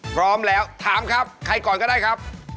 พร้อมแล้วถามครับใครก่อนก็ได้ครับ